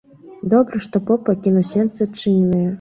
Добра, што поп пакінуў сенцы адчыненыя.